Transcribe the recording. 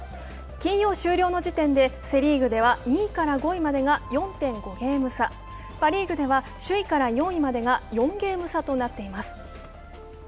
金曜終了の時点ではセ・リーグでは２位から５位までが４．５ゲーム差、パ・リーグでは首位から４位までが４ゲーム差となっています。